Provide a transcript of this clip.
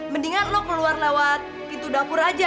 mendingan lo keluar lewat pintu dapur aja